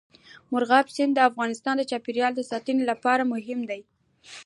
مورغاب سیند د افغانستان د چاپیریال ساتنې لپاره مهم دی.